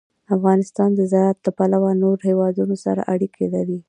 افغانستان د زراعت له پلوه له نورو هېوادونو سره اړیکې لري.